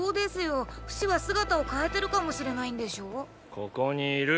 ここにいる！